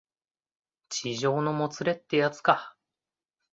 痴情のもつれってやつか